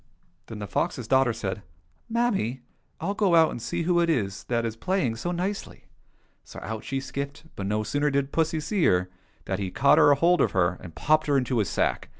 " Then the fox's daughter said, " Mammy, I'll go out and see who it is that is playing so nicely !" So out she skipped, but no sooner did pussy see her than he caught hold of her and popped her into his sack.